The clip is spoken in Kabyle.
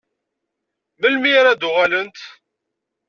Melmi ara d-uɣalent?